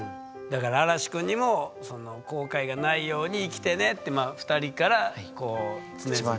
だから嵐士くんにも後悔がないように生きてねってまあ２人からこう常々。